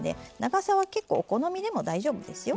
長さは結構お好みでも大丈夫ですよ。